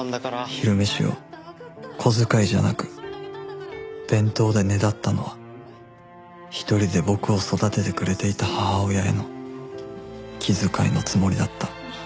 昼飯を小遣いじゃなく弁当でねだったのは一人で僕を育ててくれていた母親への気遣いのつもりだった